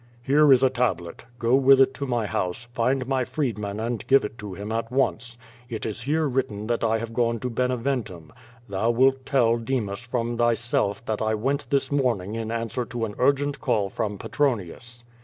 "Here is a tablet. Go with it to my house, find my freed man and give it to him at once. It is here written that 1 have gone to lieneventum. Thou wilt tell Demas from thy self that I went this morning in answer to an urgent call from Petronius."